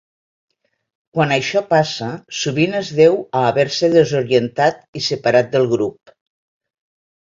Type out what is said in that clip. Quan això passa, sovint es deu a haver-se desorientat i separat del grup.